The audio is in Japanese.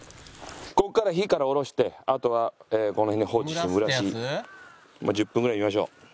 ここから火から下ろしてあとはこの辺で放置してまあ１０分ぐらい見ましょう。